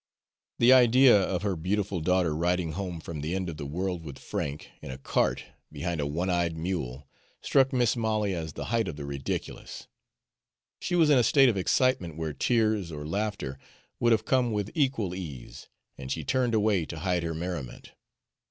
The idea of her beautiful daughter riding home from the end of the world with Frank, in a cart, behind a one eyed mule, struck Mis' Molly as the height of the ridiculous she was in a state of excitement where tears or laughter would have come with equal ease and she turned away to hide her merriment.